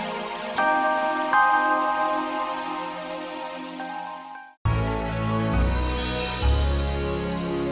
supaya anaknya tak melewati batas